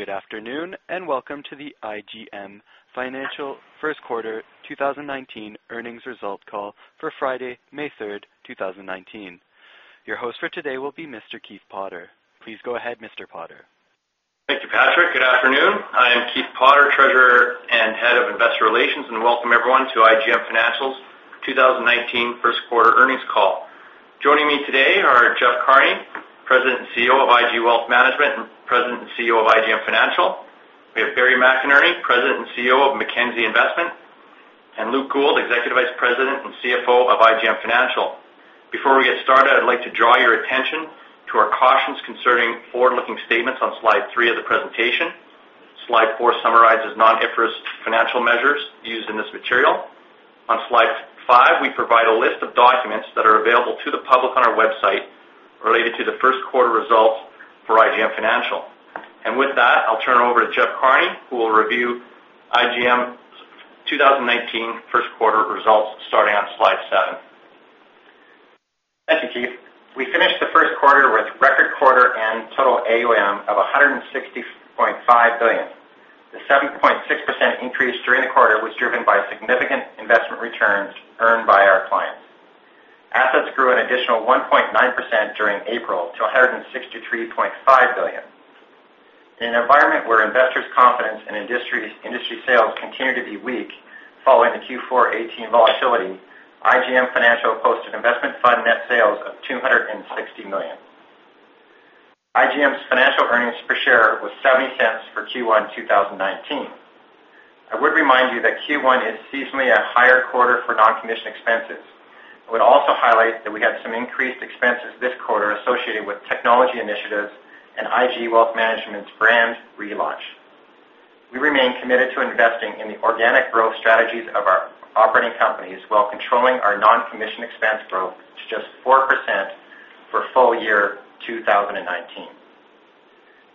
Good afternoon, and welcome to the IGM Financial first quarter 2019 earnings results call for Friday, May 3rd, 2019. Your host for today will be Mr. Keith Potter. Please go ahead, Mr. Potter. Thank you, Patrick. Good afternoon. I am Keith Potter, Treasurer and Head of Investor Relations, and welcome everyone to IGM Financial's 2019 first quarter earnings call. Joining me today are Jeff Carney, President and CEO of IG Wealth Management, and President and CEO of IGM Financial. We have Barry McInerney, President and CEO of Mackenzie Investments, and Luke Gould, Executive Vice President and CFO of IGM Financial. Before we get started, I'd like to draw your attention to our cautions concerning forward-looking statements on slide three of the presentation. Slide four summarizes non-IFRS financial measures used in this material. On slide five, we provide a list of documents that are available to the public on our website related to the first quarter results for IGM Financial. With that, I'll turn it over to Jeff Carney, who will review IGM's 2019 first quarter results, starting on slide seven. Thank you, Keith. We finished the first quarter with record quarter and total AUM of 160.5 billion. The 7.6% increase during the quarter was driven by significant investment returns earned by our clients. Assets grew an additional 1.9% during April to 163.5 billion. In an environment where investors' confidence in industry sales continue to be weak following the Q4 2018 volatility, IGM Financial posted investment fund net sales of 260 million. IGM Financial's earnings per share was CAD 0.70 for Q1 2019. I would remind you that Q1 is seasonally a higher quarter for non-commission expenses. I would also highlight that we had some increased expenses this quarter associated with technology initiatives and IG Wealth Management's brand relaunch. We remain committed to investing in the organic growth strategies of our operating companies while controlling our non-commission expense growth to just 4% for full year 2019.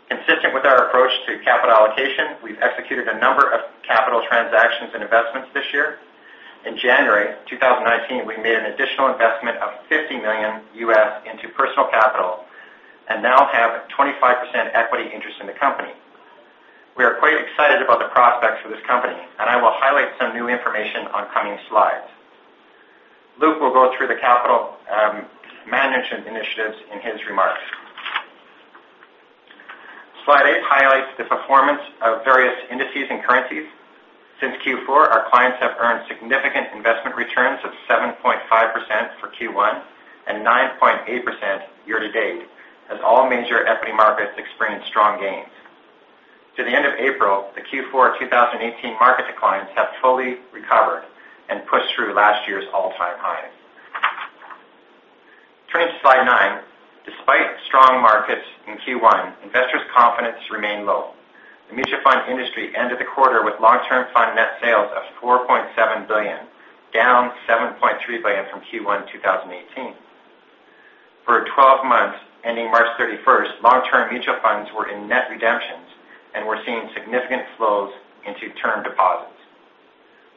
Consistent with our approach to capital allocation, we've executed a number of capital transactions and investments this year. In January 2019, we made an additional investment of $50 million into Personal Capital, and now have a 25% equity interest in the company. We are quite excited about the prospects for this company, and I will highlight some new information on coming slides. Luke will go through the capital management initiatives in his remarks. Slide eight highlights the performance of various indices and currencies. Since Q4, our clients have earned significant investment returns of 7.5% for Q1 and 9.8% year to date, as all major equity markets experienced strong gains. To the end of April, the Q4 2018 market declines have fully recovered and pushed through last year's all-time high. Turning to slide nine, despite strong markets in Q1, investors' confidence remained low. The mutual fund industry ended the quarter with long-term fund net sales of 4.7 billion, down 7.3 billion from Q1 2018. For 12 months, ending March 31st, long-term mutual funds were in net redemptions and we're seeing significant flows into term deposits.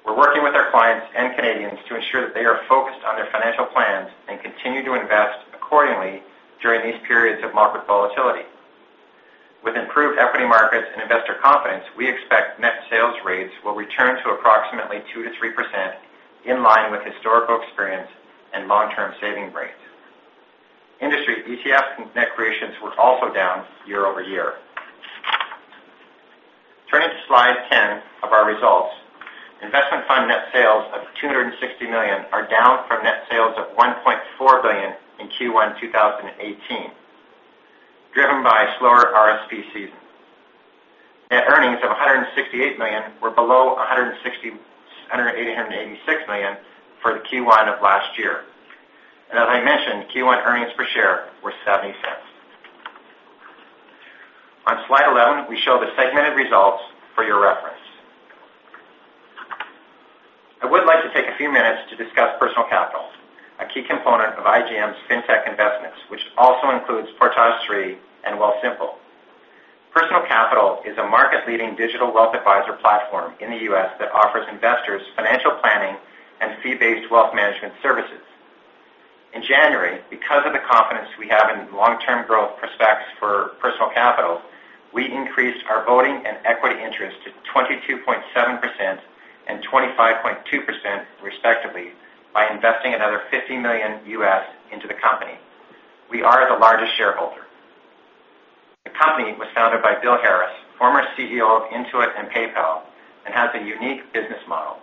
We're working with our clients and Canadians to ensure that they are focused on their financial plans and continue to invest accordingly during these periods of market volatility. With improved equity markets and investor confidence, we expect net sales rates will return to approximately 2%-3%, in line with historical experience and long-term saving rates. Industry ETF net creations were also down year-over-year. Turning to slide 10 of our results, investment fund net sales of 260 million are down from net sales of 1.4 billion in Q1 2018, driven by slower RSP season. Net earnings of 168 million were below 186 million for the Q1 of last year. As I mentioned, Q1 earnings per share were 0.70. On slide 11, we show the segmented results for your reference. I would like to take a few minutes to discuss Personal Capital, a key component of IGM's fintech investments, which also includes Portag3 and Wealthsimple. Personal Capital is a market-leading digital wealth advisor platform in the U.S. that offers investors financial planning and fee-based wealth management services. In January, because of the confidence we have in long-term growth prospects for Personal Capital, we increased our voting and equity interest to 22.7% and 25.2%, respectively, by investing another $50 million into the company. We are the largest shareholder. The company was founded by Bill Harris, former CEO of Intuit and PayPal, and has a unique business model.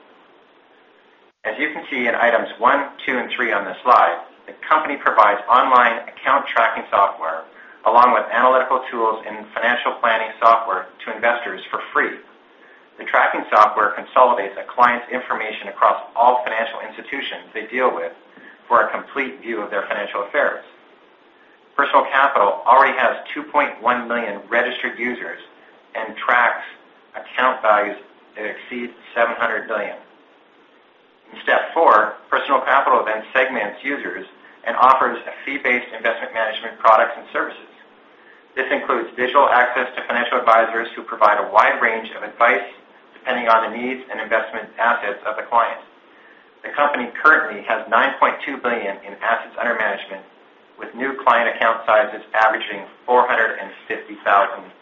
As you can see in items one, two, and three on this slide, the company provides online account tracking software, along with analytical tools and financial planning software to investors for free. The tracking software consolidates a client's information across all financial institutions they deal with for a complete view of their financial affairs. Personal Capital already has 2.1 million registered users and tracks account values that exceed $700 billion. In step four, Personal Capital then segments users and offers fee-based investment management products and services. This includes digital access to financial advisors who provide a wide range of advice, depending on the needs and investment assets of the client. The company currently has $9.2 billion in assets under management, with new client account sizes averaging $450,000.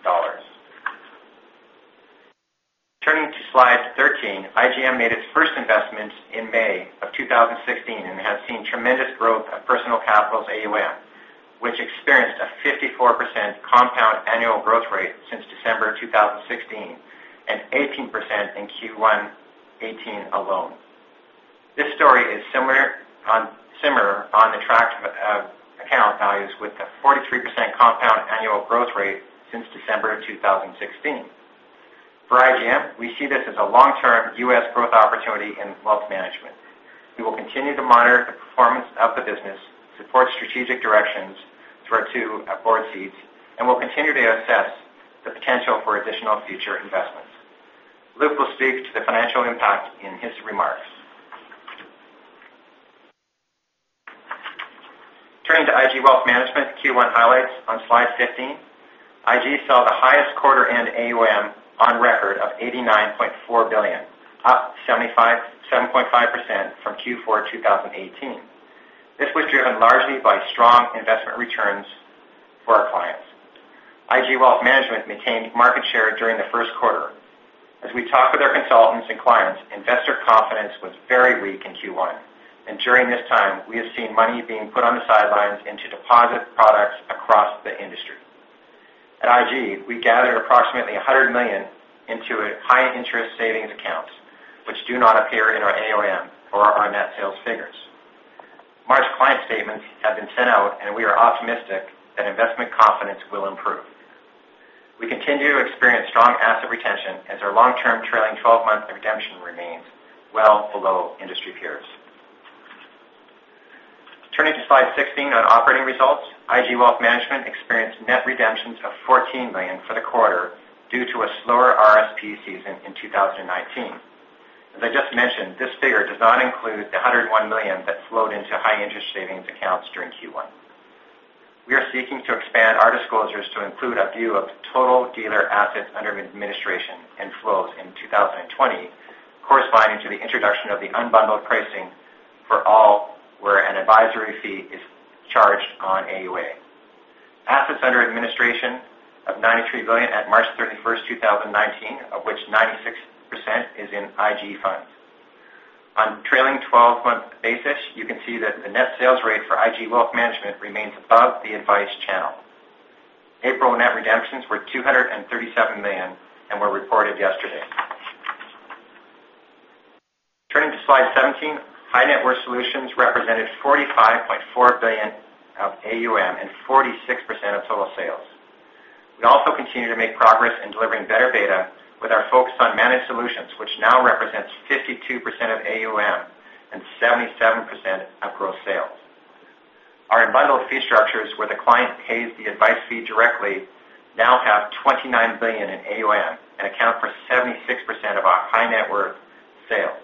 Turning to slide 13, IGM made its first investment in May 2016, and has seen tremendous growth of Personal Capital's AUM, which experienced a 54% compound annual growth rate since December 2016, and 18% in Q1 2018 alone. This story is similar on the tracks of account values, with a 43% compound annual growth rate since December 2016. For IGM, we see this as a long-term U.S. growth opportunity in wealth management. We will continue to monitor the performance of the business, support strategic directions through our two board seats, and we'll continue to assess the potential for additional future investments. Luke will speak to the financial impact in his remarks. Turning to IG Wealth Management Q1 highlights on slide 15. IG saw the highest quarter-end AUM on record of 89.4 billion, up 7.5% from Q4 2018. This was driven largely by strong investment returns for our clients. IG Wealth Management maintained market share during the first quarter. As we talk with our consultants and clients, investor confidence was very weak in Q1, and during this time, we have seen money being put on the sidelines into deposit products across the industry. At IG, we gathered approximately 100 million into a high interest savings account, which do not appear in our AUM or our net sales figures. March client statements have been sent out, and we are optimistic that investment confidence will improve. We continue to experience strong asset retention as our long-term trailing 12 redemption remains well below industry peers. Turning to slide 16 on operating results. IG Wealth Management experienced net redemptions of 14 million for the quarter due to a slower RSP season in 2019. As I just mentioned, this figure does not include the 101 million that flowed into high interest savings accounts during Q1. We are seeking to expand our disclosures to include a view of the total dealer assets under administration and flows in 2020, corresponding to the introduction of the Unbundled Pricing for all, where an advisory fee is charged on AUA. Assets under administration of 93 billion at March 31, 2019, of which 96% is in IG funds. On trailing 12-month basis, you can see that the net sales rate for IG Wealth Management remains above the advice channel. April net redemptions were 237 million and were reported yesterday. Turning to slide 17, high net worth solutions represented 45.4 billion of AUM and 46% of total sales. We also continue to make progress in delivering better data with our focus on managed solutions, which now represents 52% of AUM and 77% of gross sales. Our unbundled fee structures, where the client pays the advice fee directly, now have 29 billion in AUM and account for 76% of our high net worth sales.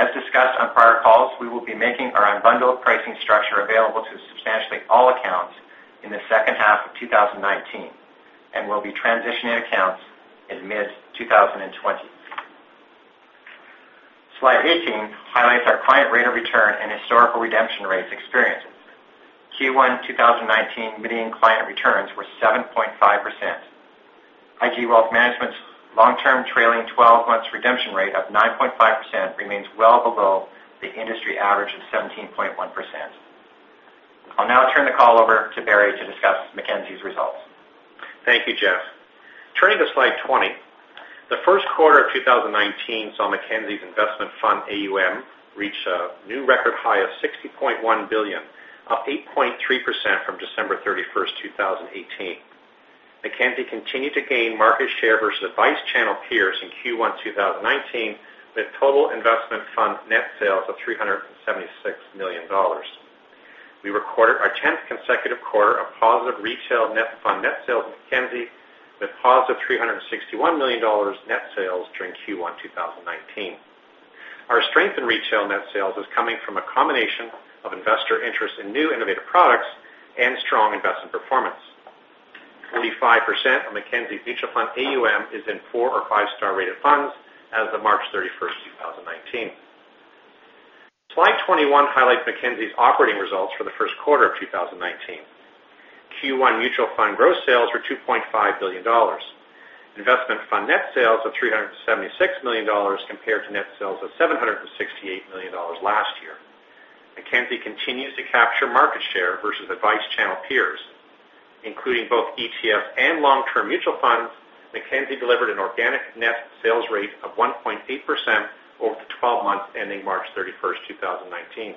As discussed on prior calls, we will be making our unbundled pricing structure available to substantially all accounts in the second half of 2019, and we'll be transitioning accounts in mid 2020. Slide 18 highlights our client rate of return and historical redemption rates experiences. Q1 2019 median client returns were 7.5%. IG Wealth Management's long-term trailing 12 months redemption rate of 9.5% remains well below the industry average of 17.1%. I'll now turn the call over to Barry to discuss Mackenzie's results. Thank you, Jeff. Turning to slide 20, the first quarter of 2019 saw Mackenzie's investment fund AUM reach a new record high of 60.1 billion, up 8.3% from December 31st, 2018. Mackenzie continued to gain market share versus advice channel peers in Q1 2019, with total investment fund net sales of 376 million dollars. We recorded our 10th consecutive quarter of positive retail fund net sales at Mackenzie, with positive 361 million dollars net sales during Q1 2019. Our strength in retail net sales is coming from a combination of investor interest in new innovative products and strong investment performance. 35% of Mackenzie's Mutual Fund AUM is in 4- or 5-star rated funds as of March 31st, 2019. Slide 21 highlights Mackenzie's operating results for the first quarter of 2019. Q1 mutual fund gross sales were 2.5 billion dollars. Investment fund net sales of 376 million dollars, compared to net sales of 768 million dollars last year. Mackenzie continues to capture market share versus advice channel peers, including both ETF and long-term mutual funds, Mackenzie delivered an organic net sales rate of 1.8% over the 12 months, ending March 31st, 2019.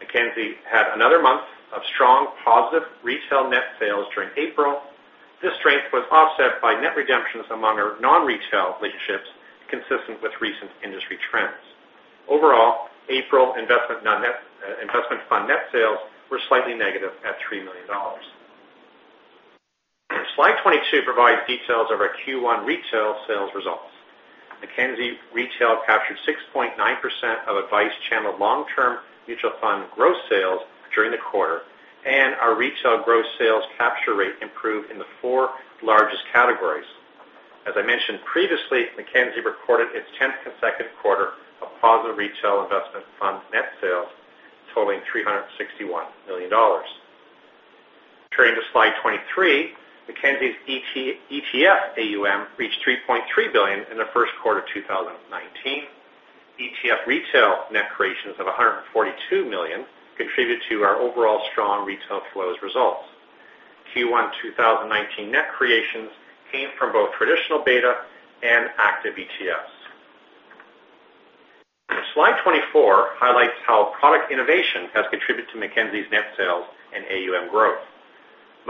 Mackenzie had another month of strong positive retail net sales during April. This strength was offset by net redemptions among our non-retail dealerships, consistent with recent industry trends. Overall, April investment fund net sales were slightly negative at 3 million dollars. Slide 22 provides details of our Q1 retail sales results. Mackenzie Retail captured 6.9% of advice channel long-term mutual fund gross sales during the quarter, and our retail gross sales capture rate improved in the four largest categories. As I mentioned previously, Mackenzie recorded its 10th consecutive quarter of positive retail investment fund net sales, totaling 361 million dollars. Turning to slide 23, Mackenzie's ETF AUM reached 3.3 billion in the first quarter of 2019. ETF retail net creations of 142 million contributed to our overall strong retail flows results. Q1 2019 net creations came from both traditional beta and active ETFs. Slide 24 highlights how product innovation has contributed to Mackenzie's net sales and AUM growth.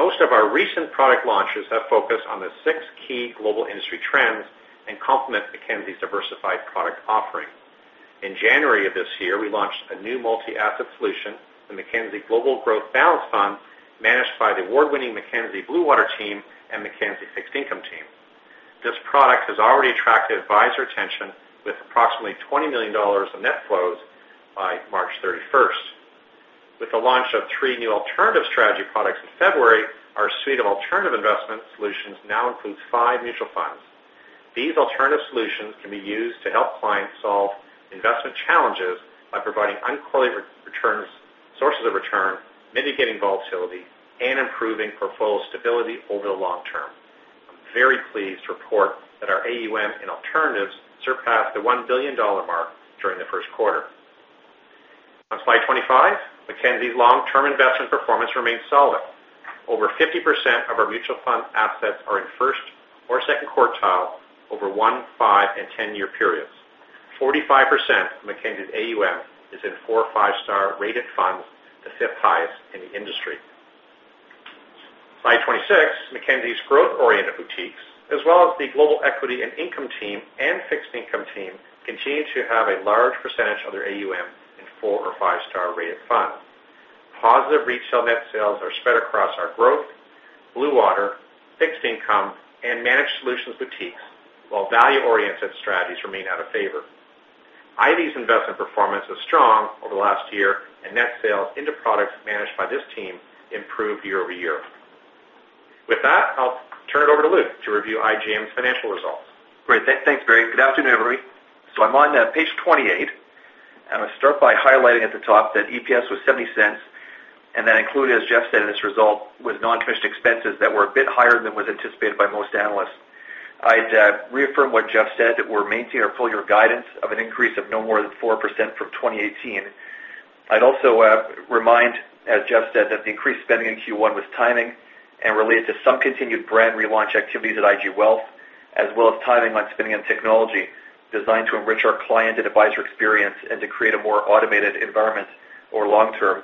Most of our recent product launches have focused on the six key global industry trends and complement Mackenzie's diversified product offering. In January of this year, we launched a new multi-asset solution, the Mackenzie Global Growth Balanced Fund, managed by the award-winning Mackenzie Bluewater Team and Mackenzie Fixed Income Team. This product has already attracted advisor attention, with approximately 20 million dollars in net flows by March 31st. With the launch of three new alternative strategy products in February, our suite of alternative investment solutions now includes five mutual funds. These alternative solutions can be used to help clients solve investment challenges by providing uncorrelated returns, sources of return, mitigating volatility, and improving portfolio stability over the long term. I'm very pleased to report that our AUM in alternatives surpassed the 1 billion dollar mark during the first quarter. On slide 25, Mackenzie's long-term investment performance remains solid. Over 50% of our mutual fund assets are in first or second quartile over 1-, 5-, and 10-year periods. 45% of Mackenzie's AUM is in four or five-star rated funds, the fifth highest in the industry. Slide 26, Mackenzie's growth-oriented boutiques, as well as the Global Equity and Income team and Fixed Income team, continue to have a large percentage of their AUM in four or five-star rated funds. Positive retail net sales are spread across our Growth, Bluewater, Fixed Income, and Managed Solutions boutiques, while value-oriented strategies remain out of favor. Ivy's investment performance was strong over the last year, and net sales into products managed by this team improved year-over-year. With that, I'll turn it over to Luke to review IGM's financial results. Great. Thanks, Barry. Good afternoon, everybody. I'm on page 28, and I'll start by highlighting at the top that EPS was 0.70, and that included, as Jeff said, in this result, was non-commissioned expenses that were a bit higher than was anticipated by most analysts. I'd reaffirm what Jeff said, that we'll maintain our full-year guidance of an increase of no more than 4% from 2018. I'd also remind, as Jeff said, that the increased spending in Q1 was timing and related to some continued brand relaunch activities at IG Wealth, as well as timing on spending on technology designed to enrich our client and advisor experience and to create a more automated environment over long term.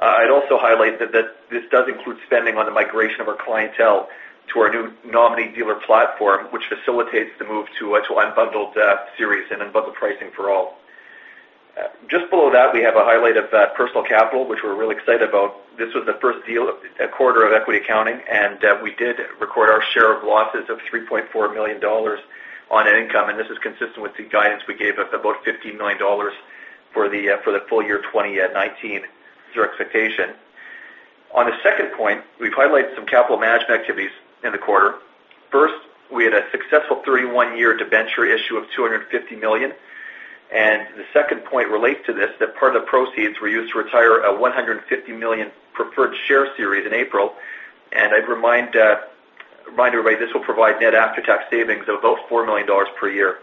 I'd also highlight that this does include spending on the migration of our clientele to our new nominee dealer platform, which facilitates the move to unbundled series and unbundled pricing for all. Just below that, we have a highlight of Personal Capital, which we're really excited about. This was the first deal quarter of equity accounting, and we did record our share of losses of 3.4 million dollars on income, and this is consistent with the guidance we gave of about 15 million dollars for the full year 2019 as our expectation. On the second point, we've highlighted some capital management activities in the quarter. First, we had a successful 3.1-year debenture issue of 250 million. The second point relates to this, that part of the proceeds were used to retire a 150 million preferred share series in April. I'd remind everybody, this will provide net after-tax savings of about 4 million dollars per year.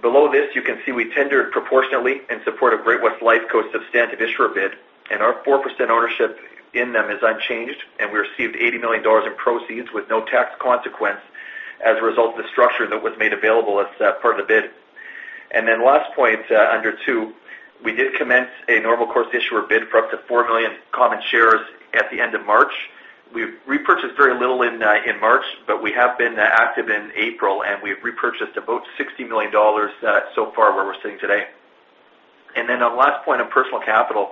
Below this, you can see we tendered proportionately in support of Great-West Lifeco's substantive issuer bid, and our 4% ownership in them is unchanged, and we received 80 million dollars in proceeds with no tax consequence as a result of the structure that was made available as part of the bid. Then, the last point under two, we did commence a normal course issuer bid for up to 4 million common shares at the end of March. We repurchased very little in March, but we have been active in April, and we've repurchased about 60 million dollars so far, where we're sitting today. And then on the last point on Personal Capital,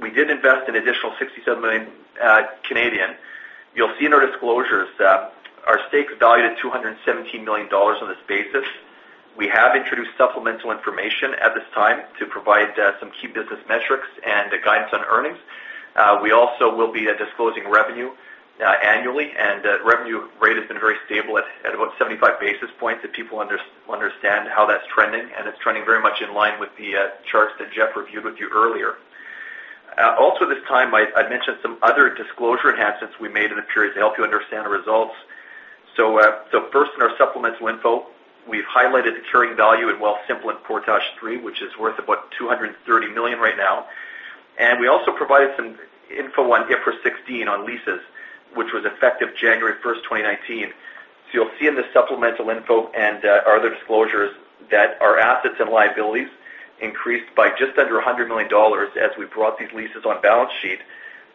we did invest an additional 67 million Canadian dollars. You'll see in our disclosures that our stake is valued at 217 million dollars on this basis. We have introduced supplemental information at this time to provide some key business metrics and guidance on earnings. We also will be disclosing revenue annually, and the revenue rate has been very stable at about 75 basis points, that people understand how that's trending, and it's trending very much in line with the charts that Jeff reviewed with you earlier. Also, at this time, I'd mention some other disclosure enhancements we made in the period to help you understand the results. So, first, in our supplemental info, we've highlighted the carrying value in Wealthsimple in Portag3, which is worth about 230 million right now. And we also provided some info on IFRS 16, on leases, which was effective January 1st, 2019. So you'll see in the supplemental info and other disclosures that our assets and liabilities increased by just under 100 million dollars as we brought these leases on balance sheet.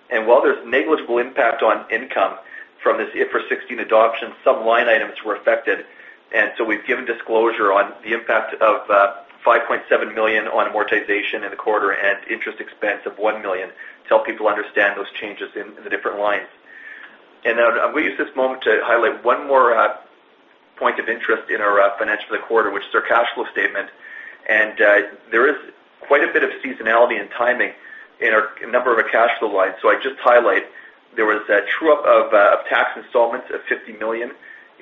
And while there's negligible impact on income from this IFRS 16 adoption, some line items were affected. And so we've given disclosure on the impact of 5.7 million on amortization in the quarter and interest expense of 1 million to help people understand those changes in the different lines. And, I'm going to use this moment to highlight one more point of interest in our financial quarter, which is our cash flow statement. And, there is quite a bit of seasonality and timing in a number of our cash flow lines. So I just highlight, there was a true up of tax installments of 50 million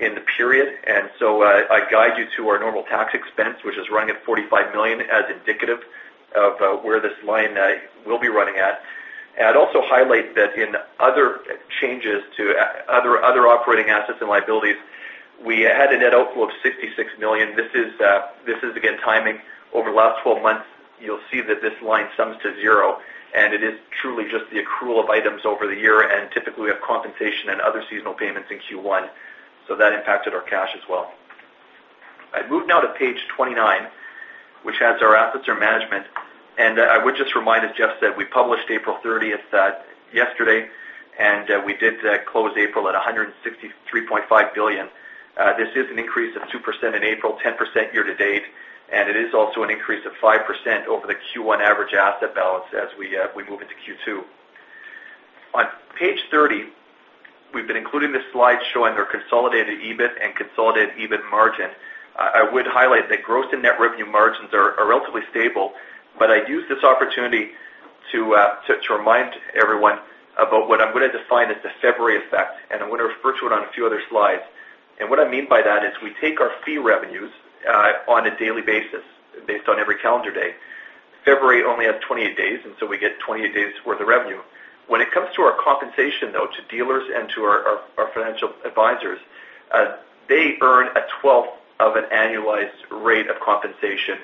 in the period. And so, I guide you to our normal tax expense, which is running at 45 million, as indicative of where this line will be running at. I'd also highlight that in other changes to, other, other operating assets and liabilities, we had a net outflow of 66 million. This is, this is again, timing. Over the last 12 months, you'll see that this line sums to zero, and it is truly just the accrual of items over the year, and typically, we have compensation and other seasonal payments in Q1, so that impacted our cash as well. I move now to page 29, which has our assets under management. And I would just remind us, just that we published April 30th, yesterday, and, we did, close April at 163.5 billion. This is an increase of 2% in April, 10% year to date, and it is also an increase of 5% over the Q1 average asset balance as we move into Q2. On page 30, we've been including this slide showing our consolidated EBIT and consolidated EBIT margin. I would highlight that gross and net revenue margins are relatively stable, but I'd use this opportunity to remind everyone about what I'm going to define as the February effect, and I'm going to refer to it on a few other slides. What I mean by that is we take our fee revenues on a daily basis, based on every calendar day. February only has 28 days, and so we get 28 days worth of revenue. When it comes to our compensation, though, to dealers and to our financial advisors, they earn a 1/12 of an annualized rate of compensation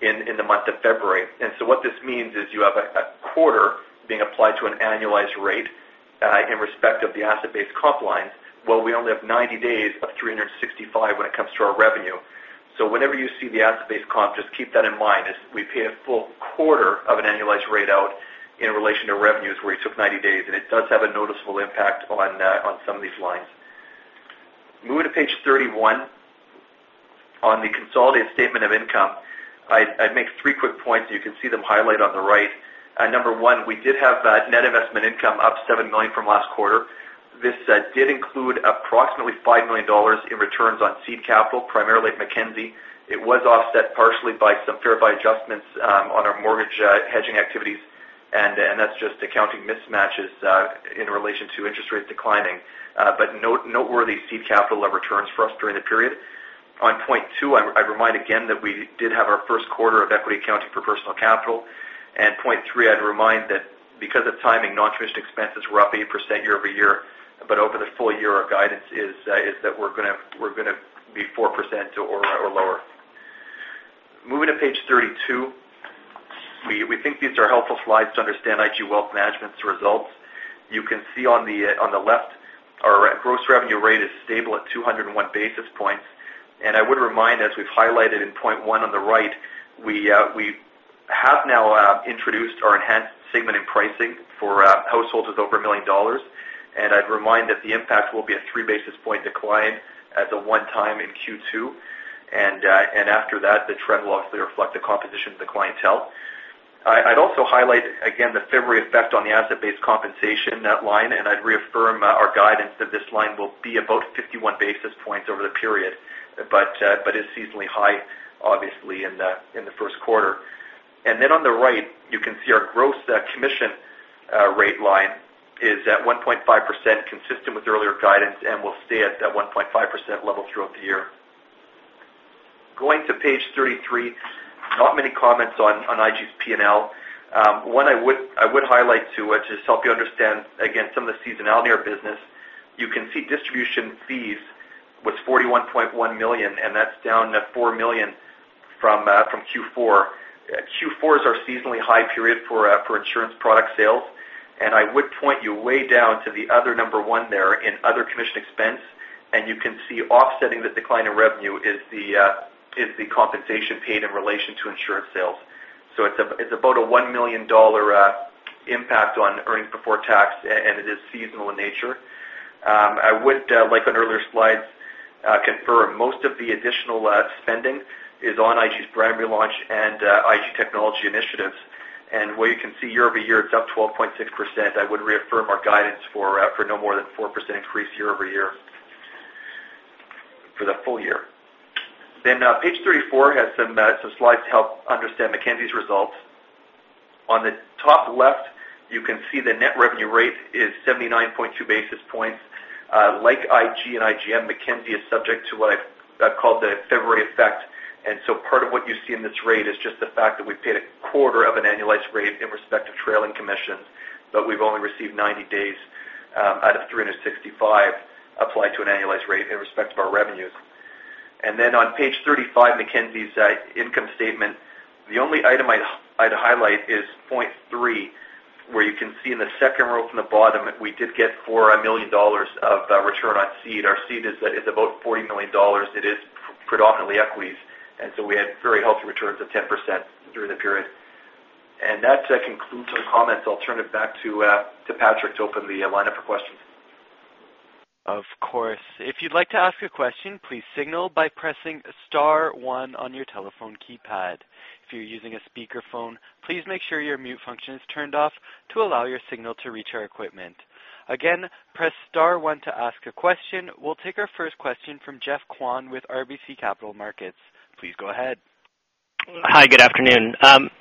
in the month of February. And so what this means is you have a quarter being applied to an annualized rate in respect of the asset-based comp line, while we only have 90 days of 365 when it comes to our revenue. So whenever you see the asset-based comp, just keep that in mind, as we pay a full quarter of an annualized rate out in relation to revenues, where you took 90 days, and it does have a noticeable impact on some of these lines. Moving to page 31, on the consolidated statement of income, I'd make three quick points, you can see them highlighted on the right. Number one, we did have net investment income up 7 million from last quarter. This did include approximately 5 million dollars in returns on seed capital, primarily Mackenzie. It was offset partially by some fair value adjustments on our mortgage hedging activities, and that's just accounting mismatches in relation to interest rates declining. But noteworthy seed capital returns for us during the period. On point two, I remind again that we did have our first quarter of equity accounting for Personal Capital. Point three, I'd remind that because of timing, non-interest expenses were up 8% year-over-year, but over the full year, our guidance is that we're going to be 4% or lower. Moving to page 32, we think these are helpful slides to understand IG Wealth Management's results. You can see on the left, our gross revenue rate is stable at 201 basis points. And I would remind, as we've highlighted in point one on the right, we have now introduced our enhanced segment in pricing for households with over 1 million dollars. And I'd remind that the impact will be a 3-basis point decline as a one-time in Q2, and after that, the trend will obviously reflect the composition of the clientele. I'd also highlight again the February effect on the asset-based compensation, that line, and I'd reaffirm our guidance that this line will be about 51 basis points over the period, but is seasonally high, obviously, in the first quarter. And then on the right, you can see our gross commission rate line is at 1.5%, consistent with earlier guidance, and will stay at that 1.5% level throughout the year. Going to page 33, not many comments on IG's P&L. One I would highlight to, which is to help you understand, again, some of the seasonality in our business. You can see distribution fees was 41.1 million, and that's down 4 million from Q4. Q4 is our seasonally high period for insurance product sales, and I would point you way down to the other number one there in other commission expense. And you can see offsetting the decline in revenue is the compensation paid in relation to insurance sales. So it's about a 1 million dollar impact on earnings before tax, and it is seasonal in nature. I would like on earlier slides confirm most of the additional spending is on IG's brand relaunch and IG technology initiatives. And where you can see year-over-year, it's up 12.6%. I would reaffirm our guidance for no more than 4% increase year-over-year for the full year. Then page 34 has some slides to help understand Mackenzie's results. On the top left, you can see the net revenue rate is 79.2 basis points. Like IG and IGM, Mackenzie is subject to what I've called the February effect. Part of what you see in this rate is just the fact that we've paid a quarter of an annualized rate in respect to trailing commissions, but we've only received 90 days out of 365, applied to an annualized rate in respect of our revenues. Then on page 35, Mackenzie's income statement, the only item I'd highlight is point three, where you can see in the second row from the bottom, we did get 4 million dollars of return on seed. Our seed is about 40 million dollars. It is predominantly equities, and so we had very healthy returns of 10% during the period. That concludes my comments. I'll turn it back to Patrick to open the lineup for questions. Of course. If you'd like to ask a question, please signal by pressing star one on your telephone keypad. If you're using a speakerphone, please make sure your mute function is turned off to allow your signal to reach our equipment. Again, press star one to ask a question. We'll take our first question from Geoffrey Kwan with RBC Capital Markets. Please go ahead.... Hi, good afternoon.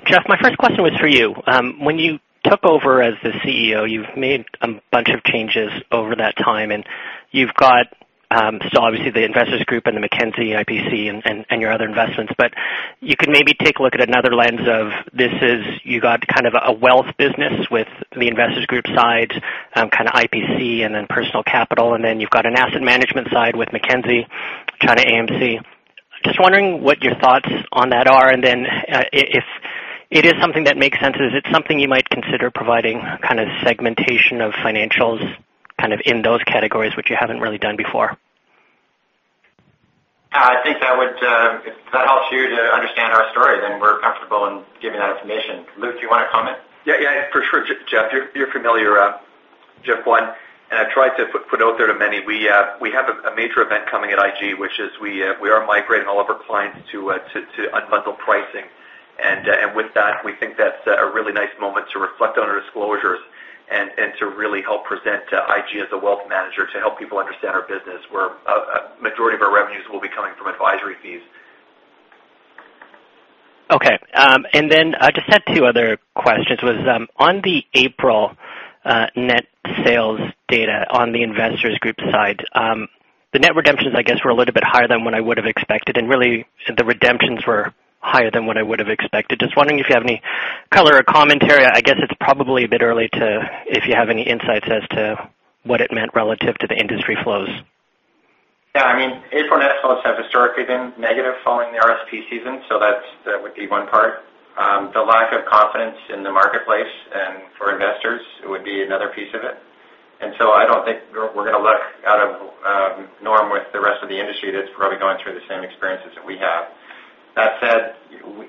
Jeff, my first question was for you. When you took over as the CEO, you've made a bunch of changes over that time, and you've got, so obviously, the Investors Group and the Mackenzie IPC and your other investments, but you can maybe take a look at another lens of this is you got kind of a wealth business with the Investors Group side, kind of IPC and then Personal Capital, and then you've got an asset management side with Mackenzie, kind of AMC. Just wondering what your thoughts on that are, and then, if it is something that makes sense, is it something you might consider providing kind of segmentation of financials, kind of in those categories, which you haven't really done before? I think that would, if that helps you to understand our story, then we're comfortable in giving that information. Luke, do you want to comment? Yeah, yeah, for sure, Jeff, you're familiar, just one, and I tried to put out there to many, we have a major event coming at IG, which is we are migrating all of our clients to Unbundled Pricing. And with that, we think that's a really nice moment to reflect on our disclosures and to really help present IG as a wealth manager to help people understand our business, where majority of our revenues will be coming from advisory fees. Okay, and then, just had two other questions on the April net sales data on the Investors Group side, the net redemptions, I guess, were a little bit higher than what I would have expected, and really, the redemptions were higher than what I would have expected. Just wondering if you have any color or commentary. I guess it's probably a bit early to—if you have any insights as to what it meant relative to the industry flows. Yeah, I mean, April net sales have historically been negative following the RSP season, so that's. That would be one part. The lack of confidence in the marketplace and for investors would be another piece of it. And so I don't think we're going to look out of norm with the rest of the industry that's probably going through the same experiences that we have. That said,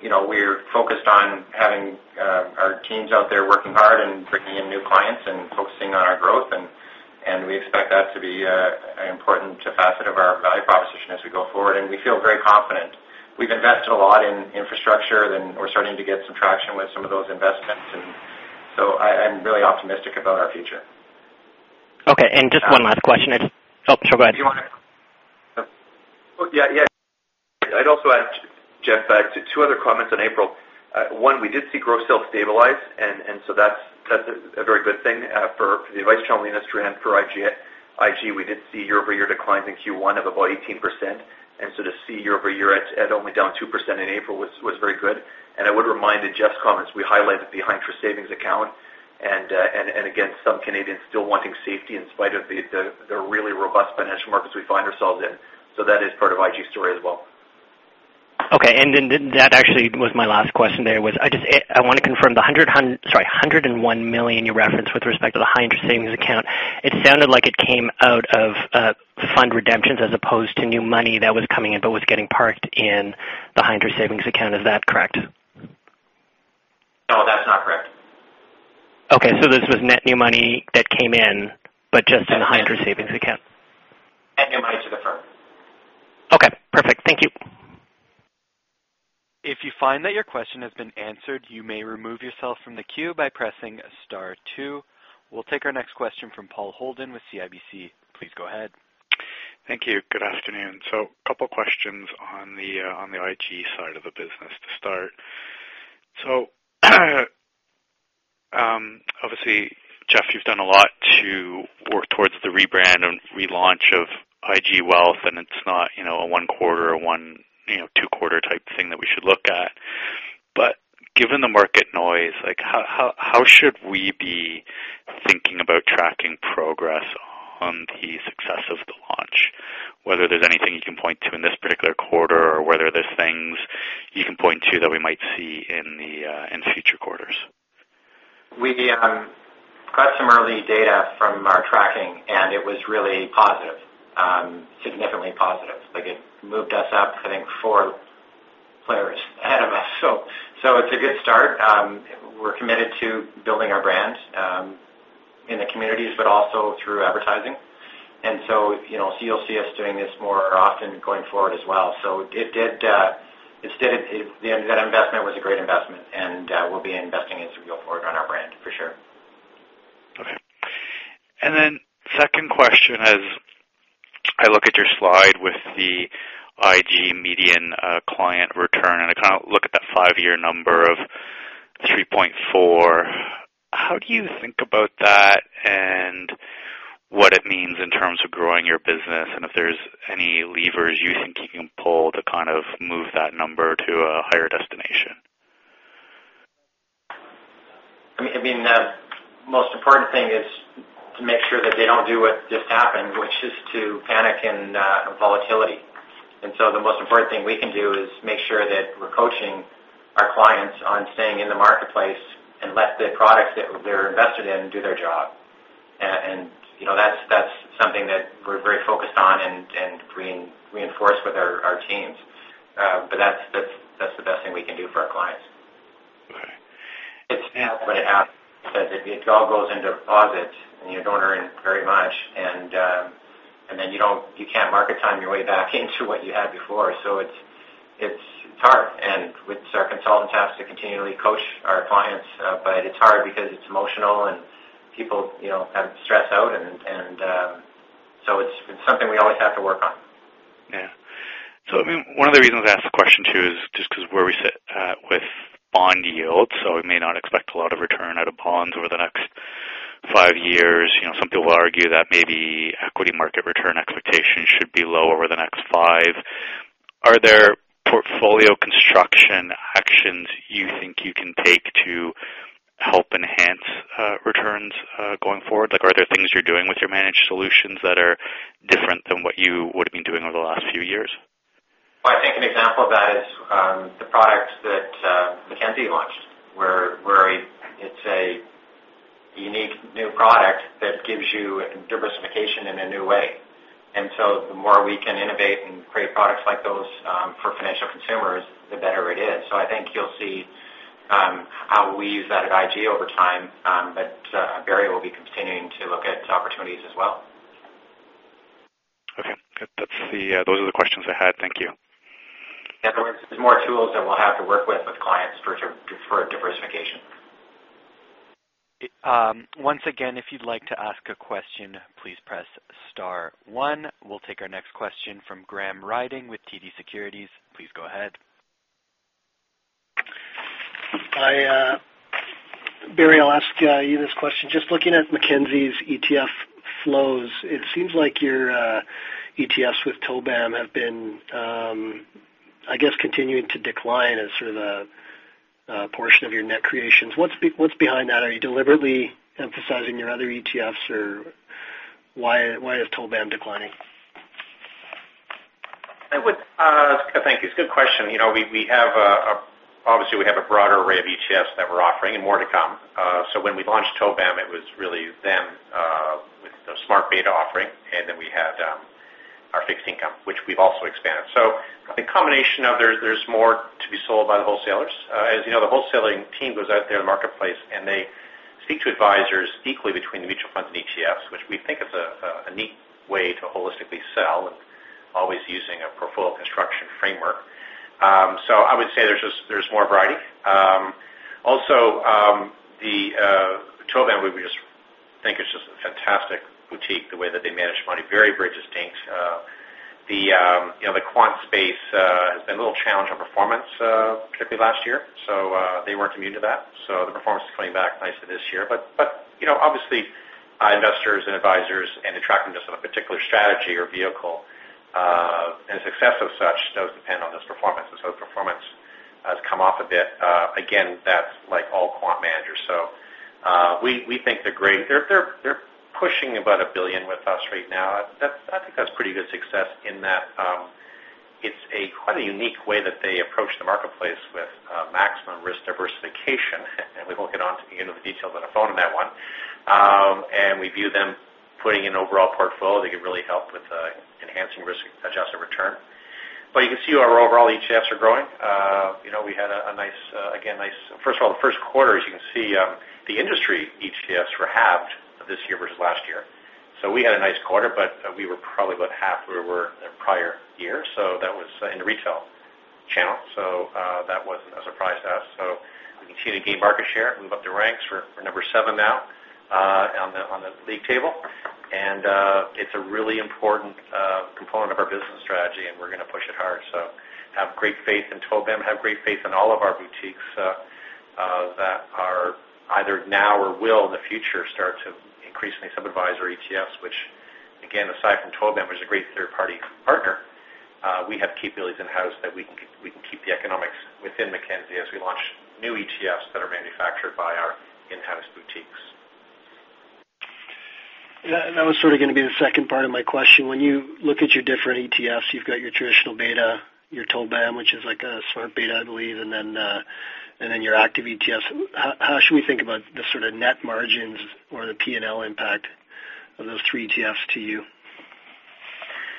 you know, we're focused on having our teams out there working hard and bringing in new clients and focusing on our growth, and we expect that to be an important facet of our value proposition as we go forward. And we feel very confident. We've invested a lot in infrastructure, then we're starting to get some traction with some of those investments, and so I'm really optimistic about our future. Okay, and just one last question. Oh, sure, go ahead. Do you want to... Oh, yeah, yeah. I'd also add, Jeff, to two other comments on April. One, we did see gross sales stabilize, and, and so that's, that's a very good thing, for the advice channel industry and for IG. IG, we did see year-over-year declines in Q1 of about 18%, and so to see year-over-year at, at only down 2% in April was, was very good. And I would remind in Jeff's comments, we highlighted the high interest savings account, and, and again, some Canadians still wanting safety in spite of the, the, the really robust financial markets we find ourselves in. So that is part of IG story as well. Okay, and then that actually was my last question there. I just want to confirm the 101 million you referenced with respect to the High Interest Savings Account. It sounded like it came out of fund redemptions as opposed to new money that was coming in, but was getting parked in the High Interest Savings Account. Is that correct? No, that's not correct. Okay, so this was net new money that came in, but just in the High Interest Savings Account. Net new money to the firm. Okay, perfect. Thank you. If you find that your question has been answered, you may remove yourself from the queue by pressing star two. We'll take our next question from Paul Holden with CIBC. Please go ahead. Thank you. Good afternoon. So a couple questions on the IG side of the business to start. So, obviously, Jeff, you've done a lot to work towards the rebrand and relaunch of IG Wealth, and it's not, you know, a one quarter or one, you know, two-quarter type thing that we should look at. But given the market noise, like, how should we be thinking about tracking progress on the success of the launch? Whether there's anything you can point to in this particular quarter, or whether there's things you can point to that we might see in the future quarters. We got some early data from our tracking, and it was really positive, significantly positive. Like, it moved us up, I think, four players ahead of us. So, it's a good start. We're committed to building our brand in the communities, but also through advertising. And so, you know, so you'll see us doing this more often going forward as well. So it did, it did. That investment was a great investment, and, we'll be investing as we go forward on our brand, for sure. Okay. And then second question, as I look at your slide with the IG median, client return, and I kind of look at that five year number of 3.4, how do you think about that and what it means in terms of growing your business, and if there's any levers you think you can pull to kind of move that number to a higher destination? I mean, the most important thing is to make sure that they don't do what just happened, which is to panic in volatility. And so the most important thing we can do is make sure that we're coaching our clients on staying in the marketplace and let the products that they're invested in do their job. And, you know, that's the best thing we can do for our clients. Okay. It's... But it, it all goes into deposits, and you don't earn very much, and, and then you don't. You can't market time your way back into what you had before. So it's, it's hard, and it's our consultant has to continually coach our clients, but it's hard because it's emotional and people, you know, kind of stress out and, and, So it's something we always have to work on. Yeah. So, I mean, one of the reasons I asked the question, too, is just because where we sit with bond yields, so we may not expect a lot of return out of bonds over the next five years. You know, some people argue that maybe equity market return expectations should be low over the next five. Are there portfolio construction actions you think you can take to help enhance returns going forward? Like, are there things you're doing with your managed solutions that are different than what you would have been doing over the last few years? Well, I think an example of that is the product that Mackenzie launched, where it's a unique new product that gives you diversification in a new way. And so the more we can innovate and create products like those for financial consumers, the better it is. So I think you'll see how we use that at IG over time, but Barry will be continuing to look at opportunities as well. Okay, good. Those are the questions I had. Thank you. Yeah, there's more tools that we'll have to work with, with clients for diversification. Once again, if you'd like to ask a question, please press star one. We'll take our next question from Graham Ryding with TD Securities. Please go ahead. Barry, I'll ask you this question. Just looking at Mackenzie's ETF flows, it seems like your ETFs with TOBAM have been, I guess, continuing to decline as sort of the portion of your net creations. What's behind that? Are you deliberately emphasizing your other ETFs, or why, why is TOBAM declining? I would, Thank you. It's a good question. You know, we have a obviously, we have a broader array of ETFs that we're offering and more to come. So when we launched TOBAM, it was really then, with the smart beta offering, and then we had, our fixed income, which we've also expanded. So a combination of there, there's more to be sold by the wholesalers. As you know, the wholesaling team goes out there in the marketplace, and they speak to advisors equally between the mutual funds and ETFs, which we think is a neat way to holistically sell and always using a portfolio construction framework. So I would say there's just, there's more variety. Also, the, TOBAM, we just think it's just a fantastic boutique, the way that they manage money, very distinct. You know, the quant space has been a little challenged on performance, particularly last year, so they weren't immune to that, so the performance is coming back nicely this year. But you know, obviously, investors and advisors and attractiveness of a particular strategy or vehicle and success of such does depend on those performances. So performance has come off a bit. Again, that's like all quant managers. So we think they're great. They're pushing about 1 billion with us right now. That's, I think that's pretty good success in that, it's a quite a unique way that they approach the marketplace with maximum risk diversification. And we won't get onto, you know, the details on the phone on that one. And we view them putting an overall portfolio, they could really help with enhancing risk-adjusted return. But you can see our overall ETFs are growing. You know, we had a nice first quarter, as you can see, the industry ETFs were halved this year versus last year. So we had a nice quarter, but we were probably about half where we were the prior year, so that was in the retail channel. So that wasn't a surprise to us. So we continue to gain market share, move up the ranks. We're number seven now on the league table. And it's a really important component of our business strategy, and we're going to push it hard. So have great faith in TOBAM, have great faith in all of our boutiques, that are either now or will, in the future, start to increase in some advisory ETFs, which again, aside from TOBAM, is a great third-party partner. We have capabilities in-house that we can, we can keep the economics within Mackenzie as we launch new ETFs that are manufactured by our in-house boutiques. Yeah, and that was sort of going to be the second part of my question. When you look at your different ETFs, you've got your traditional beta, your TOBAM, which is like a Smart Beta, I believe, and then, and then your active ETFs. How should we think about the sort of net margins or the P&L impact of those three ETFs to you?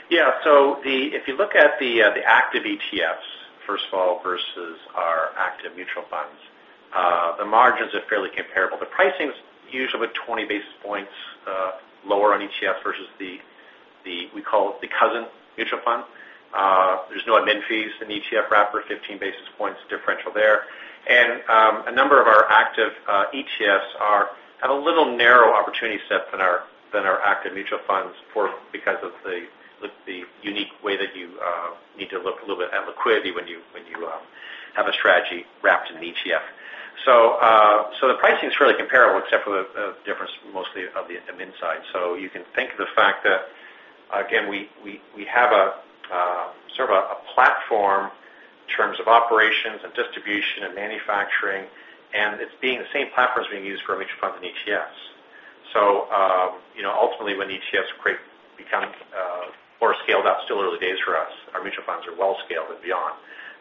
Yeah, so if you look at the active ETFs, first of all, versus our active mutual funds, the margins are fairly comparable. The pricing's usually about 20 basis points lower on ETF versus the, we call it, the cousin mutual fund. There's no admin fees in ETF wrapper, 15 basis points differential there. And a number of our active ETFs have a little narrow opportunity set than our active mutual funds because of the unique way that you need to look a little bit at liquidity when you have a strategy wrapped in an ETF. So the pricing is fairly comparable, except for the difference mostly of the admin side. So you can think of the fact that, again, we have a sort of a platform in terms of operations and distribution and manufacturing, and it's being the same platform that's being used for our mutual funds and ETFs. So, you know, ultimately, when ETFs create economic, or are scaled up, still early days for us, our mutual funds are well scaled and beyond,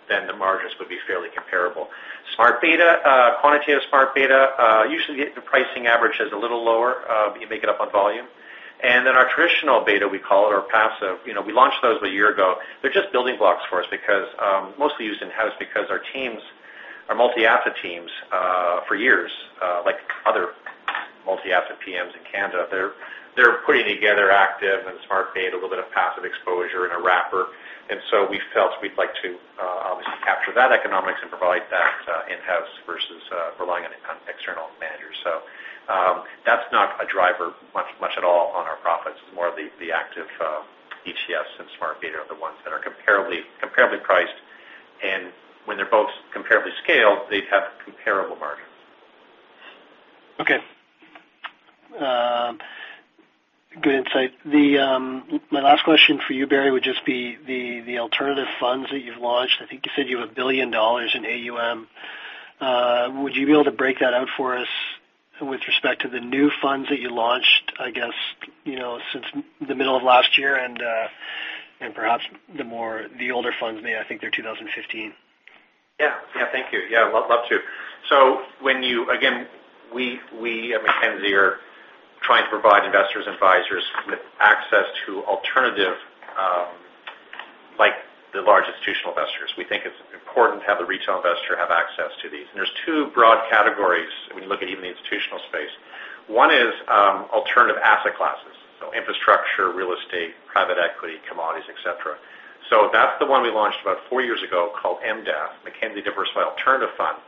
then the margins would be fairly comparable. Smart Beta, quantitative Smart Beta, usually the pricing average is a little lower, but you make it up on volume. And then our traditional Beta, we call it, our passive, you know, we launched those about a year ago. They're just building blocks for us because, mostly used in-house, because our teams, our multi-asset teams, for years, like other multi-asset PMs in Canada, they're, they're putting together active and smart beta, a little bit of passive exposure and a wrapper. And so we felt we'd like to, obviously capture that economics and provide that, in-house versus, relying on, on external managers. So, that's not a driver much, much at all on our profits. It's more of the, the active, ETFs and smart beta are the ones that are comparably, comparably priced.... and when they're both comparably scaled, they'd have comparable margins. Okay. Good insight. My last question for you, Barry, would just be the alternative funds that you've launched. I think you said you have 1 billion dollars in AUM. Would you be able to break that out for us with respect to the new funds that you launched, I guess, you know, since the middle of last year and perhaps the older funds. Maybe I think they're 2015? Yeah. Yeah. Thank you. Yeah, love, love to. So when you. Again, we, we at Mackenzie are trying to provide investors and advisors with access to alternative, like the large institutional investors. We think it's important to have the retail investor have access to these. And there's two broad categories when you look at even the institutional space. One is, alternative asset classes, so infrastructure, real estate, private equity, commodities, et cetera. So that's the one we launched about four years ago called MDAF, Mackenzie Diversified Alternative Fund,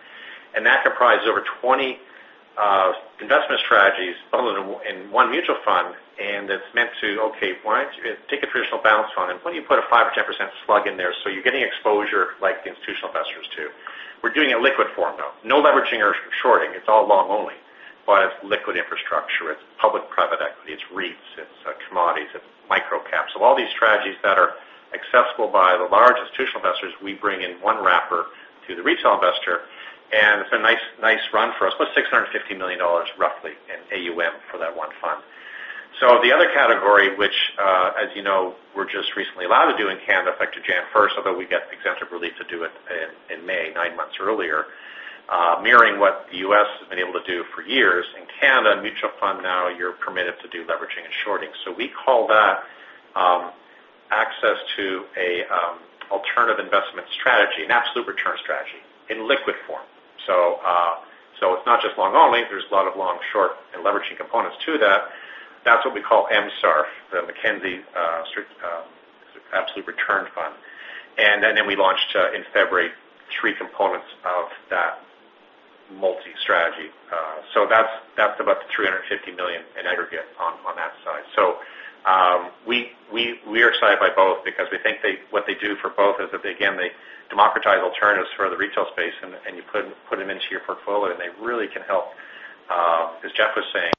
and that comprise over 20 investment strategies bundled in, in one mutual fund. And it's meant to, okay, why don't you take a traditional balanced fund, and why don't you put a 5% or 10% slug in there so you're getting exposure like the institutional investors too? We're doing a liquid form, though. No leveraging or shorting. It's all long only, but it's liquid infrastructure, it's public private equity, it's REITs, it's commodities, it's micro-cap. So all these strategies that are accessible by the large institutional investors, we bring in one wrapper to the retail investor, and it's a nice, nice run for us. About 650 million dollars roughly in AUM for that one fund. So the other category, which, as you know, we're just recently allowed to do in Canada, effective January 1st, although we get exemptive relief to do it in May, nine months earlier, mirroring what the US has been able to do for years. In Canada, mutual fund now, you're permitted to do leveraging and shorting. So we call that, access to a alternative investment strategy, an absolute return strategy in liquid form. So it's not just long only. There's a lot of long, short, and leveraging components to that. That's what we call MSARF, the Mackenzie Multi-Strategy Absolute Return Fund. And then we launched in February three components of that multi-strategy. So that's about 350 million in aggregate on that side. So we are excited by both because we think they, what they do for both is that, again, they democratize alternatives for the retail space, and you put them into your portfolio, and they really can help, as Jeff was saying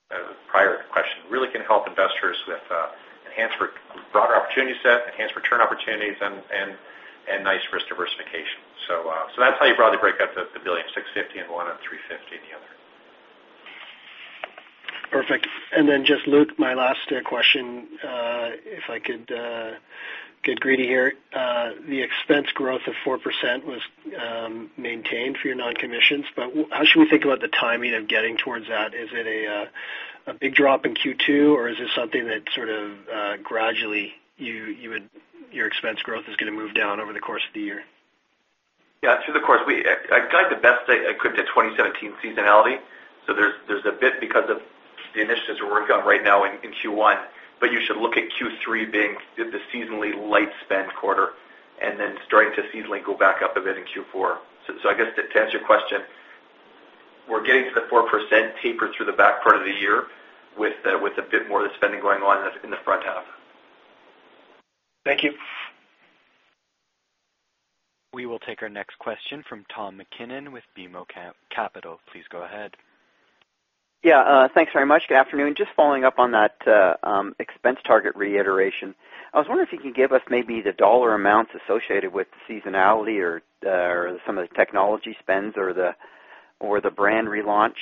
prior to the question, really can help investors with enhanced broader opportunity set, enhanced return opportunities and nice risk diversification. So that's how you broadly break up the 1.65 billion in one and 350 million in the other. Perfect. And then just Luke, my last question, if I could get greedy here. The expense growth of 4% was maintained for your non-commissions, but how should we think about the timing of getting towards that? Is it a big drop in Q2, or is this something that sort of gradually you would—your expense growth is going to move down over the course of the year? Yeah, through the course. I'd guide the best I could to 2017 seasonality, so there's a bit because of the initiatives we're working on right now in Q1. But you should look at Q3 being the seasonally light spend quarter and then starting to seasonally go back up a bit in Q4. So I guess to answer your question, we're getting to the 4% taper through the back part of the year with a bit more of the spending going on in the front half. Thank you. We will take our next question from Tom MacKinnon with BMO Capital Markets. Please go ahead. Yeah, thanks very much. Good afternoon. Just following up on that, expense target reiteration. I was wondering if you could give us maybe the dollar amounts associated with seasonality or, or some of the technology spends or the, or the brand relaunch.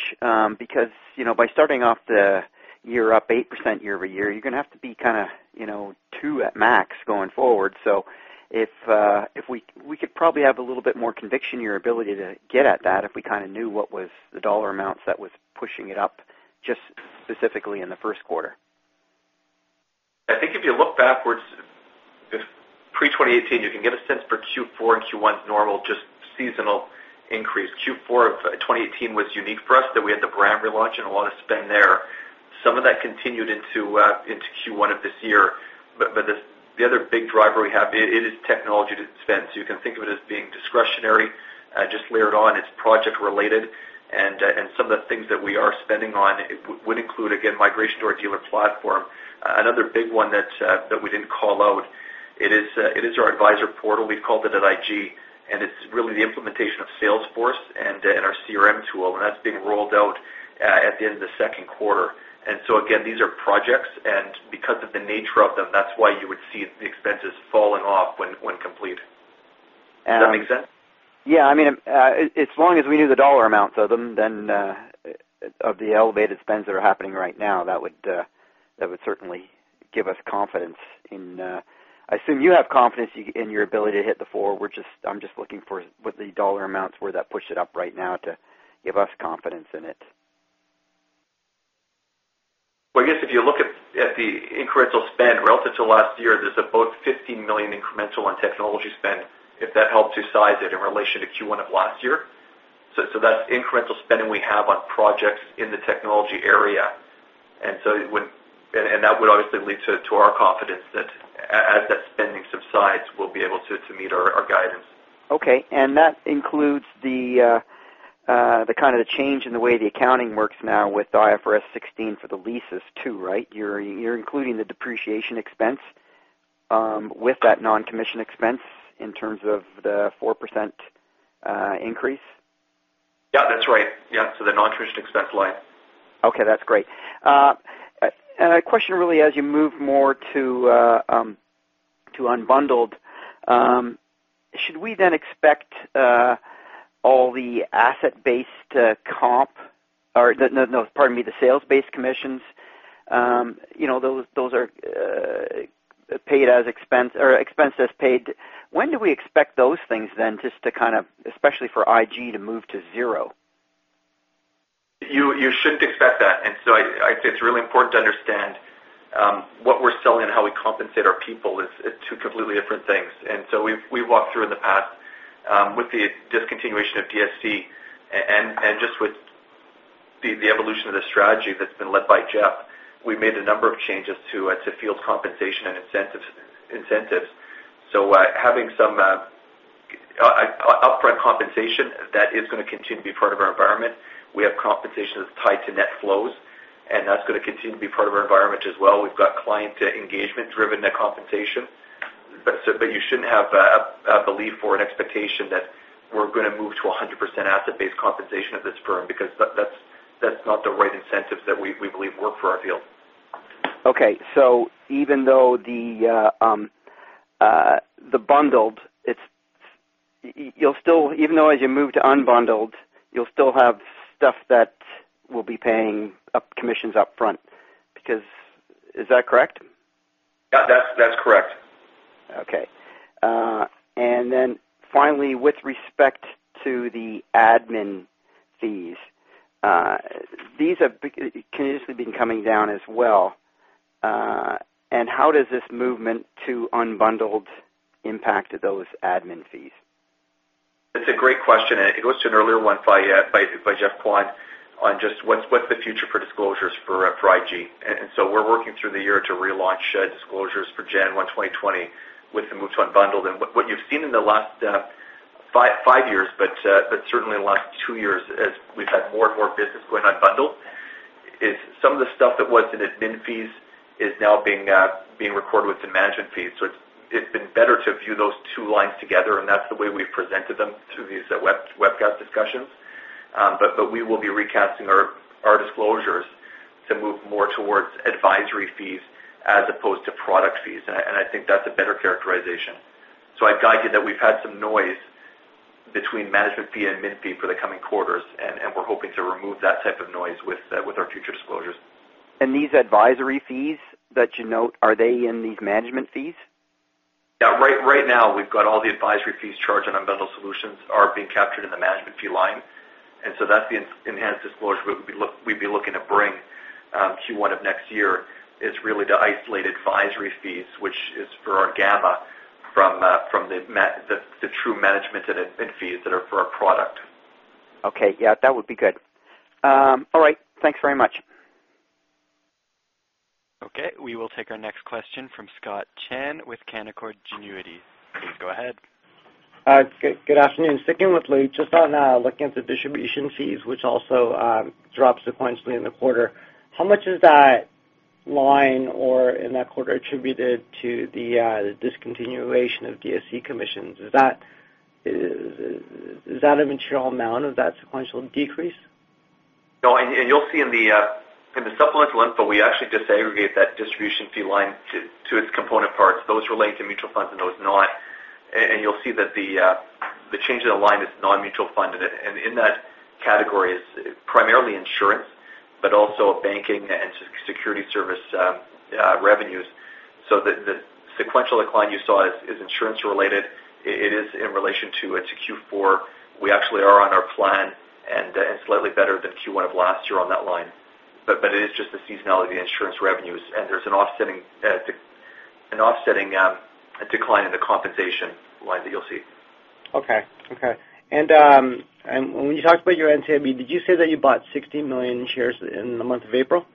Because, you know, by starting off the year up 8% year-over-year, you're going to have to be kind of, you know, 2% at max going forward. So if, if we-- we could probably have a little bit more conviction in your ability to get at that if we kind of knew what was the dollar amounts that was pushing it up just specifically in the first quarter. I think if you look backwards, if pre-2018, you can get a sense for Q4 and Q1's normal, just seasonal increase. Q4 of 2018 was unique for us, that we had the brand relaunch and a lot of spend there. Some of that continued into Q1 of this year. But the other big driver we have, it is tech spend. So you can think of it as being discretionary, just layered on. It's project related, and some of the things that we are spending on would include, again, migration to our dealer platform. Another big one that we didn't call out, it is our Advisor Portal. We've called it an IG, and it's really the implementation of Salesforce and, and our CRM tool, and that's being rolled out at the end of the second quarter. And so again, these are projects, and because of the nature of them, that's why you would see the expenses falling off when complete. And- Does that make sense? Yeah. I mean, as long as we know the dollar amounts of them, then, of the elevated spends that are happening right now, that would, that would certainly give us confidence in. I assume you have confidence in your ability to hit the four. We're just. I'm just looking for what the dollar amounts were that pushed it up right now to give us confidence in it. Well, I guess if you look at the incremental spend relative to last year, there's about 15 million incremental on technology spend, if that helps you size it in relation to Q1 of last year. So that's incremental spending we have on projects in the technology area. And so it would... and that would obviously lead to our confidence that as that spending subsides, we'll be able to meet our guidance. Okay. And that includes the kind of change in the way the accounting works now with IFRS 16 for the leases too, right? You're including the depreciation expense with that non-commission expense in terms of the 4% increase? Yeah, that's right. Yeah, so the non-commission expense line. Okay, that's great. A question really, as you move more to unbundled, should we then expect all the asset-based comp or no, no, pardon me, the sales-based commissions, you know, those, those are paid as expense or expenses paid. When do we expect those things then just to kind of, especially for IG, to move to zero? You shouldn't expect that. And so I'd say it's really important to understand what we're selling and how we compensate our people is two completely different things. And so we've walked through in the past with the discontinuation of DSC and just with the evolution of the strategy that's been led by Jeff, we made a number of changes to field compensation and incentives. So having some upfront compensation, that is going to continue to be part of our environment. We have compensation that's tied to net flows, and that's going to continue to be part of our environment as well. We've got client engagement driven net compensation. But you shouldn't have a belief or an expectation that we're going to move to 100% asset-based compensation at this firm, because that's not the right incentives that we believe work for our field. Okay. So even though the bundled, it's... you'll still, even though as you move to unbundled, you'll still have stuff that will be paying up commissions upfront, because... Is that correct? Yeah, that's, that's correct. Okay. And then finally, with respect to the admin fees, these have continuously been coming down as well. And how does this movement to unbundled impact those admin fees? It's a great question, and it goes to an earlier one by Geoffrey Kwan on just what's the future for disclosures for IG. And so we're working through the year to relaunch disclosures for January 1st, 2020 with the move to unbundled. And what you've seen in the last five years, but certainly in the last two years, as we've had more and more business going unbundled, is some of the stuff that was in admin fees is now being recorded with the management fees. So it's been better to view those two lines together, and that's the way we've presented them through these webcast discussions. But we will be recasting our disclosures to move more towards advisory fees as opposed to product fees. I think that's a better characterization. So I'd guide you that we've had some noise between management fee and admin fee for the coming quarters, and we're hoping to remove that type of noise with our future disclosures. These advisory fees that you note, are they in these management fees? Yeah. Right, right now, we've got all the advisory fees charged on unbundled solutions are being captured in the management fee line. And so that's the enhanced disclosure we'd be looking to bring, Q1 of next year, is really to isolate advisory fees, which is for our Gamma from, from the, the true management and admin fees that are for our product. Okay. Yeah, that would be good. All right. Thanks very much. Okay. We will take our next question from Scott Chan with Canaccord Genuity. Please go ahead. Good afternoon. Sticking with Lou, just on, looking at the distribution fees, which also, dropped sequentially in the quarter, how much is that line or in that quarter attributed to the, discontinuation of DSC commissions? Is that, is that a material amount of that sequential decrease? No, and you'll see in the supplemental info, we actually disaggregate that distribution fee line to its component parts, those relating to mutual funds and those not. And you'll see that the change in the line is non-mutual fund, and in that category is primarily insurance, but also banking and securities services revenues. So the sequential decline you saw is insurance related. It is in relation to. It's Q4. We actually are on our plan and slightly better than Q1 of last year on that line. But it is just the seasonality of the insurance revenues, and there's an offsetting decline in the compensation line that you'll see. Okay. Okay. And when you talked about your NCIB, did you say that you bought 60 million shares in the month of April?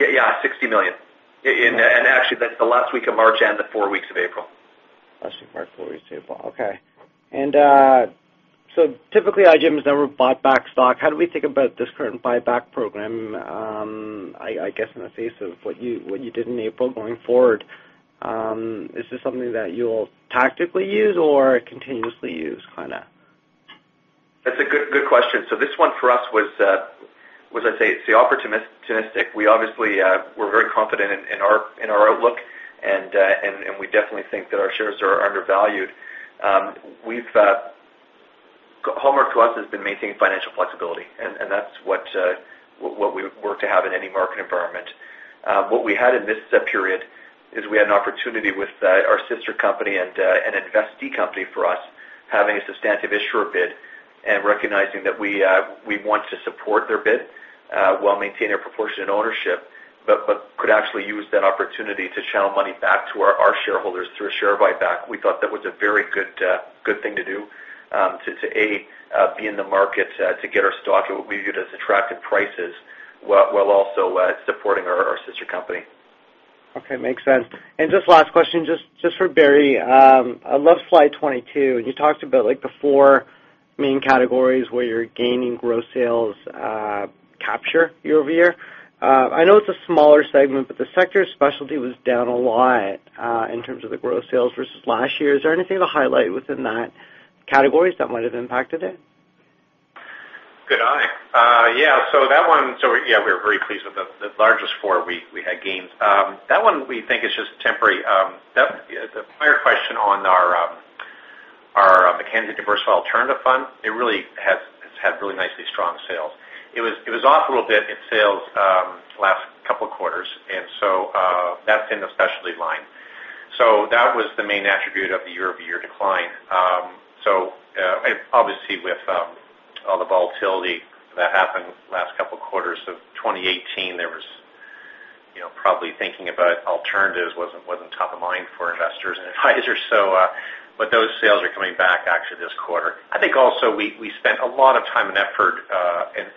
Yeah, yeah, 60 million. In, and actually, that's the last week of March and the four weeks of April. And, so typically, IG has never bought back stock. How do we think about this current buyback program, I guess, in the face of what you did in April going forward, is this something that you'll tactically use or continuously use, kind of? That's a good, good question. So this one for us was, as I say, it's the opportunistic. We obviously, we're very confident in our outlook, and we definitely think that our shares are undervalued. We've... However, to us, has been maintaining financial flexibility, and that's what we work to have in any market environment. What we had in this period is we had an opportunity with our sister company and an investee company for us, having a substantive issuer bid and recognizing that we want to support their bid while maintaining a proportionate ownership, but could actually use that opportunity to channel money back to our shareholders through a share buyback. We thought that was a very good, good thing to do, to be in the market, to get our stock at what we view as attractive prices, while also supporting our, our sister company.... Okay, makes sense. And just last question, just for Barry. I love slide 22, and you talked about, like, the four main categories where you're gaining gross sales capture year over year. I know it's a smaller segment, but the sector specialty was down a lot in terms of the gross sales versus last year. Is there anything to highlight within that categories that might have impacted it? Good eye. Yeah, so that one, so yeah, we're very pleased with the largest four we had gains. That one we think is just temporary. The prior question on our Mackenzie Diversified Alternatives Fund, it really has, it's had really nicely strong sales. It was off a little bit in sales last couple of quarters, and so that's in the specialty line. So that was the main attribute of the year-over-year decline. So obviously, with all the volatility that happened last couple of quarters of 2018, there was, you know, probably thinking about alternatives wasn't top of mind for investors and advisors. So but those sales are coming back actually this quarter. I think also we spent a lot of time and effort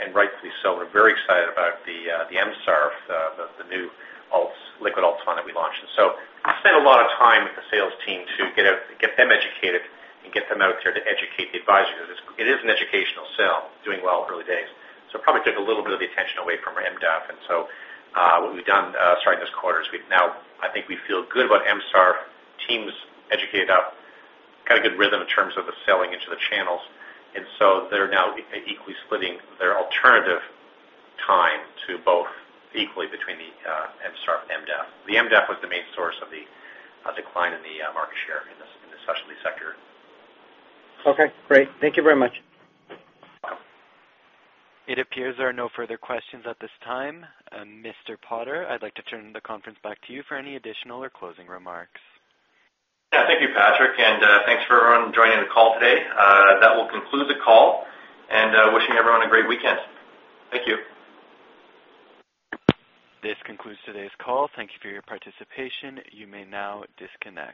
and rightly so. We're very excited about the MSARF, the new alts, liquid alt fund that we launched. So we spent a lot of time with the sales team to get them educated and get them out there to educate the advisors. It is an educational sell, doing well early days. So it probably took a little bit of the attention away from our MDEF. What we've done, starting this quarter, is we've now. I think we feel good about MSARF, teams educated up, got a good rhythm in terms of the selling into the channels, and so they're now equally splitting their alternative time to both equally between the MSARF and MDEF. The MDAF was the main source of the decline in the market share in the specialty sector. Okay, great. Thank you very much. Welcome. It appears there are no further questions at this time. Mr. Potter, I'd like to turn the conference back to you for any additional or closing remarks. Yeah, thank you, Patrick, and, thanks for everyone joining the call today. That will conclude the call, and, wishing everyone a great weekend. Thank you. This concludes today's call. Thank you for your participation. You may now disconnect.